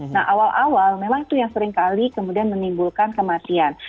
nah awal awal memang itu yang seringkali kemudian menimbulkan kematian